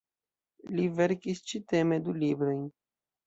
Li verkis ĉi-teme du librojn.